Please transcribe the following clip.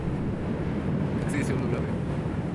学生証の裏面